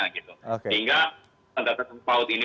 sehingga standar standar paut ini